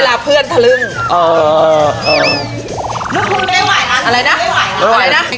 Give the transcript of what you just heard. กระดาวขึ้นกระดาวลง